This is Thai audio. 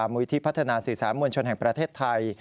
มุยที่พัฒนาสื่อสารมวลชนแห่งประเทศไทย